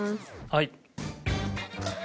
はい。